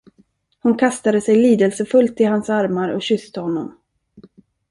Hon kastade sig lidelsefullt i hans armar och kysste honom.